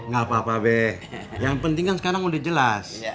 nggak apa apa yang penting sekarang udah jelas